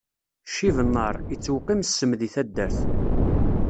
Ccib nnaṛ, ittewqim ssem di taddart.